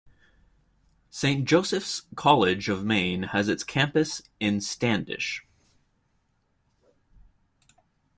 Saint Joseph's College of Maine has its campus in Standish.